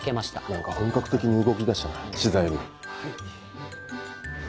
何か本格的に動き出したな知財部。